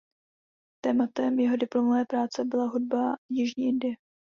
Tématem jeho diplomové práce byla hudba Jižní Indie.